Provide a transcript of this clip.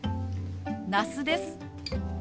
那須です。